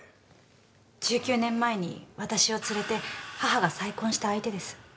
１９年前に私を連れて母が再婚した相手です。